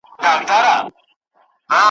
ښځي وویل هوښیاره یم پوهېږم `